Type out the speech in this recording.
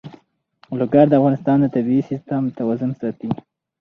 لوگر د افغانستان د طبعي سیسټم توازن ساتي.